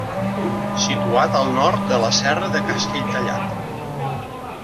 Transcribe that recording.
Situat al nord de la serra de Castelltallat.